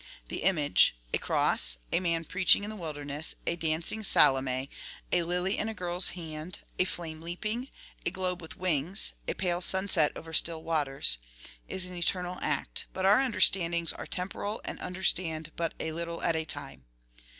The image — across, a man preaching in the wilderness, a dancing Salome, a lily in a girl's hand, a flame leaping, a globe with wings, a pale sunset over still waters — is an eternal act ; but our understandings are temporal and understand but a little at a time.